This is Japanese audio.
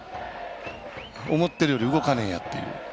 思ってるより動かねえやっていう。